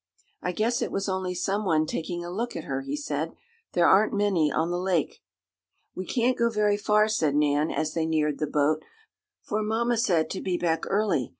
"I guess it was only someone taking a look at her," he said "There aren't many on the lake." "We can't go very far," said Nan, as they neared the boat, "for mamma said to be back early.